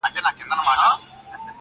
نصیب د جهاني په نوم یوه مینه لیکلې،